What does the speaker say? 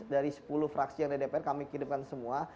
dari sepuluh fraksi yang ddpr kami kirimkan semua